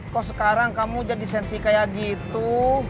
kok sekarang kamu jadi sensi kayak gitu